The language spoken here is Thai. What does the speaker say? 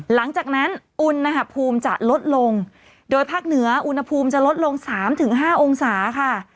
หลังจากนั้นอุณหภูมิจะลดลงโดยภาคเหนืออุณหภูมิจะลดลง๓๕องศาค่ะ